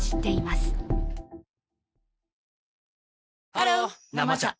ハロー「生茶」